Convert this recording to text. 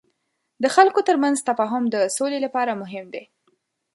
د خلکو ترمنځ تفاهم د سولې لپاره مهم دی.